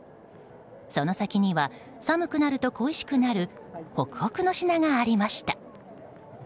その先には寒くなると恋しくなるホクホクの品がありました。